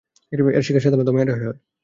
এর শিকার সাধারণত মায়েরাই হয়।